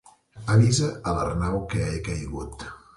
Avisa a l'Arnau que he caigut.